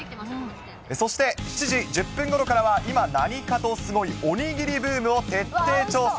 そして７時１０分ごろからは、今、何かとすごい、おにぎりブームを徹底調査。